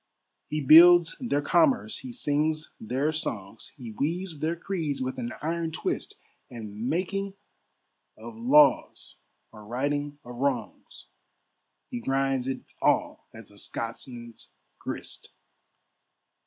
He builds their commerce, he sings their songs, He weaves their creeds with an iron twist, And making of laws or righting of wrongs, He grinds it all as the Scotsman's grist.